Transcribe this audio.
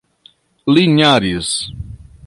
Linhares